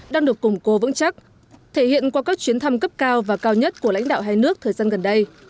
đang được củng cố vững chắc thể hiện qua các chuyến thăm cấp cao và cao nhất của lãnh đạo hai nước thời gian gần đây